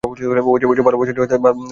ও যে ভালোবাসবার জিনিস, ভালোবাসব না ওকে?